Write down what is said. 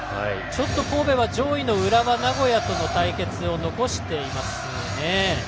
神戸は上位の浦和、名古屋との対決を残していますね。